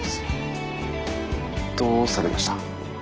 どうされました？